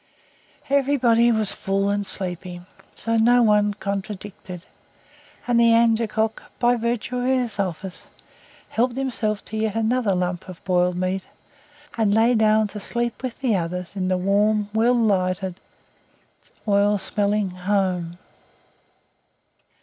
Everybody was full and sleepy, so no one contradicted; and the angekok, by virtue of his office, helped himself to yet another lump of boiled meat, and lay down to sleep with the others in the warm, well lighted, oil smelling home.